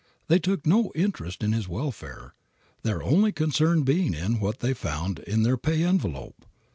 They took no interest in his welfare, their only concern being in what they found in their pay envelope.